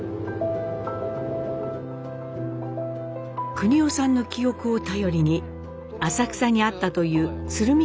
國男さんの記憶を頼りに浅草にあったという鶴見